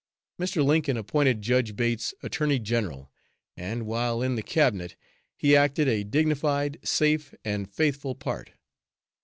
Mr. Lincoln appointed Judge Bates Attorney General, and while in the Cabinet he acted a dignified, safe and faithful part.